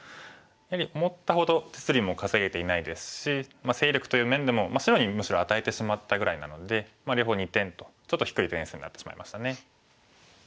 やはり思ったほど実利も稼げていないですし勢力という面でも白にむしろ与えてしまったぐらいなので両方２点とちょっと低い点数になってしまいましたね。